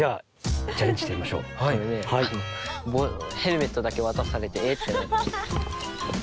ヘルメットだけ渡されてえってなって。